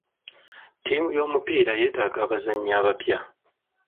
Ttiimu y'omupiira yeetaaga abazannyi abapya.